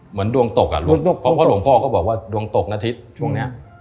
เหมือนดวงตกอ่ะเพราะหลวงพ่อก็บอกว่าดวงตกอาทิตย์ช่วงนี้